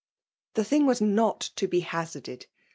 — the thing was not .to be . hia^ ^rded